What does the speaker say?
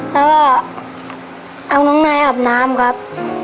แล้วก็เอาน้องนายอาบน้ำครับ